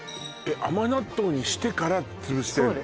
甘納豆にしてから潰してんの？